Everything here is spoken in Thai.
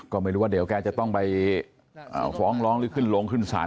ก็ไม่รู้ว่าเดี๋ยวแกจะต้องไปฟ้องร้องหรือขึ้นลงขึ้นศาล